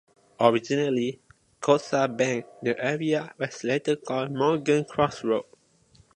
Originally called "Coosa Bend", the area was later called "Morgan's Cross Road".